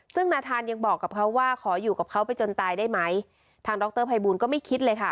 ซึ่งนาธานยังบอกกับเขาว่าขออยู่กับเขาไปจนตายได้ไหมทางดรภัยบูลก็ไม่คิดเลยค่ะ